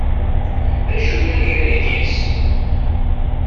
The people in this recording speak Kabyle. D acu yellan gar-i yid-s?